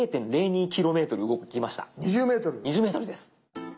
２０ｍです。